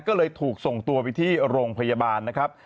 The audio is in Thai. ก็เลยถูกส่งตัวไปที่โรงพยาบาลนะครับ